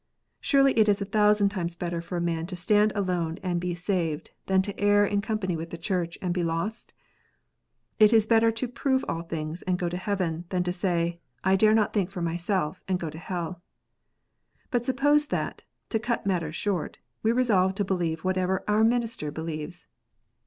Surely it is a thousand times better for a man to stand alone and be saved, than to err in company with the Church, and be losU It is better to "prove all things" and go to heaven, than to say, " I dare not think for myself," and go to hell. But suppose that, to cut matters short, we resolve to believe whatever our minister believes.